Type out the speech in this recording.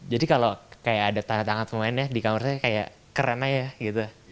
jadi kalau kayak ada tanda tangan pemainnya di kamarnya kayak keren aja gitu